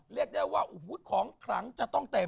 เรียกได้ว่าของขลังจะต้องเต็ม